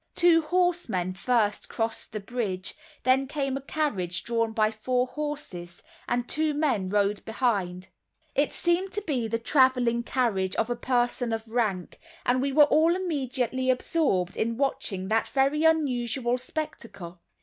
Two horsemen first crossed the bridge, then came a carriage drawn by four horses, and two men rode behind. It seemed to be the traveling carriage of a person of rank; and we were all immediately absorbed in watching that very unusual spectacle.